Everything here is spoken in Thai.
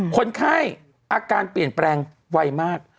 คนไข้อาการเปลี่ยนแปลงไวมาก